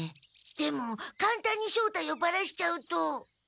でもかんたんに正体をバラしちゃうと。